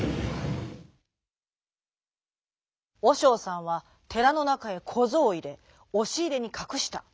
おしょうさんはてらのなかへこぞうをいれおしいれにかくした。